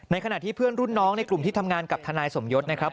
ขณะที่เพื่อนรุ่นน้องในกลุ่มที่ทำงานกับทนายสมยศนะครับ